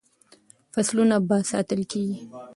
فصلونه به ساتل کیږي.